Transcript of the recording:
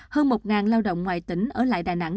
hơn một lao động ngoài tỉnh ở lại đà nẵng